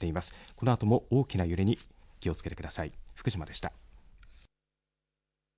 このあとも大きな揺れに気をつけてください。